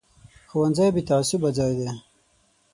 ښوونځی بې تعصبه ځای دی